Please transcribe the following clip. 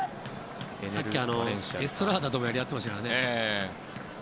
さっき、エストラーダともやり合ってましたからね。